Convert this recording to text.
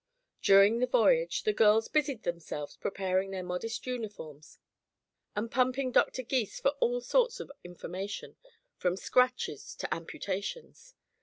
During the voyage the girls busied themselves preparing their modest uniforms and pumping Dr. Gys for all sorts of information, from scratches to amputations.